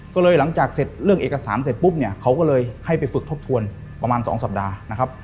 ก็เลยหลังจากเสร็จเรื่องเอกสารเสร็จปุ๊บเนี่ยเขาก็เลยให้ไปฝึกทบทวนประมาณ๒สัปดาห์นะครับ